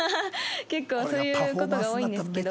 結構そういう事が多いんですけど。